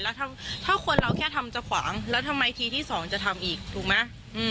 แล้วถ้าคนเราแค่ทำจะขวางแล้วทำไมทีที่สองจะทำอีกถูกไหม